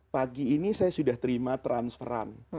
pagi ini saya sudah terima transferan